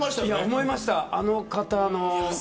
思いました、あの方の。